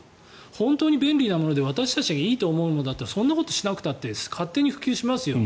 本当に便利なもので私たちがいいと思うものだったらそんなことしなくたって勝手に普及しますよ。